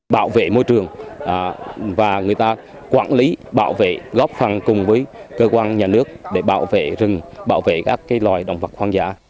bảo vệ môi trường và người ta quản lý bảo vệ góp phần cùng với cơ quan nhà nước để bảo vệ rừng bảo vệ các loài động vật hoang dã